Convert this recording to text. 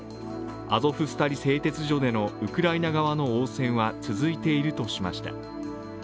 アゾフスタリ製鉄所でのウクライナ側の応戦は続いているとしました。